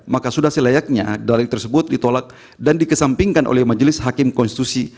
maka sudah selayaknya dalil tersebut ditolak dan dikesampingkan oleh majelis hakim konstitusi